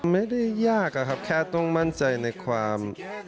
ไม่ได้ยากอะครับแค่ต้องมั่นใจในความ